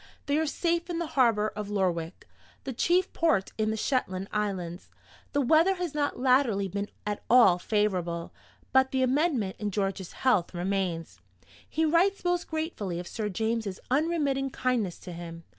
They are safe in the harbor of Lerwick, the chief port in the Shetland Islands. The weather has not latterly been at all favorable. But the amendment in George's health remains. He writes most gratefully of Sir James's unremitting kindness to him.